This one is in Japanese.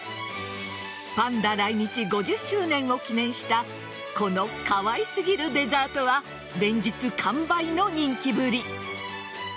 パンダ来日５０周年を記念したこのかわいすぎるデザートは連日完売の人気ぶり。